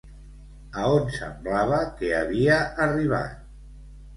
A on semblava que havia arribat?